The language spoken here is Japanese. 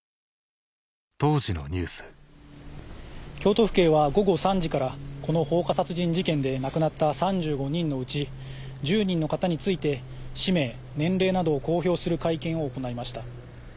京都府警は午後３時からこの放火殺人事件で亡くなった３５人のうち１０人の方について氏名年齢などを公表する会見を行いました。